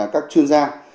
các chuyên gia